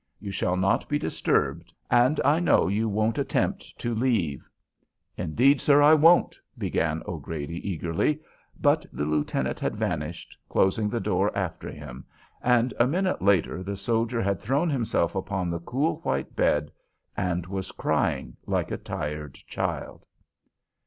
You shall not be disturbed, and I know you won't attempt to leave." "Indeed, sir, I won't," began O'Grady, eagerly; but the lieutenant had vanished, closing the door after him, and a minute later the soldier had thrown himself upon the cool, white bed, and was crying like a tired child.